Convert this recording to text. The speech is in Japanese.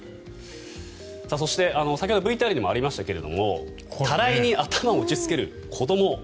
そして先ほどＶＴＲにもありましたがたらいに頭を打ちつける子ども。